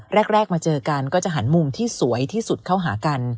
แรกมาเจอกันก็จะหันมุมที่สวยที่สุดเข้าหากัน